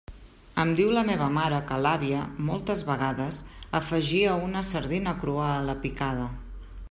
Em diu la mare que l'àvia, moltes vegades, afegia una sardina crua a la picada.